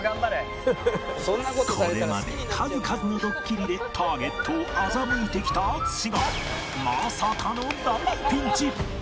これまで数々のドッキリでターゲットを欺いてきた淳がまさかの大ピンチ！